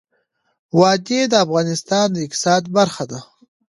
وادي د افغانستان د اقتصاد برخه ده.